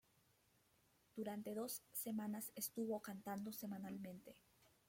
Durante dos semanas estuvo cantando semanalmente.